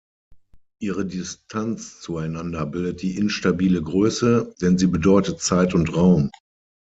Ihre Distanz zueinander bildet die instabile Größe; denn sie bedeutet Zeit und Raum.